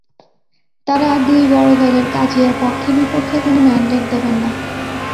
তারা দুই বড় দলের কাজিয়ার পক্ষে বিপক্ষে কোনো ম্যান্ডেট দেবেন না।